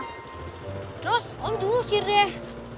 terus om jusir deh